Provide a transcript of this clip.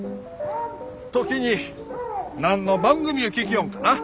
時に何の番組ゅう聴きょんかな？